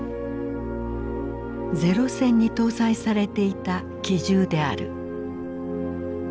零戦に搭載されていた機銃である。